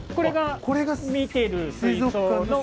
これが見てる水槽の。